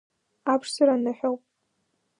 Аԥшӡара ныҳәоуп.